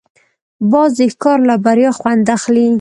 باز د ښکار له بریا خوند اخلي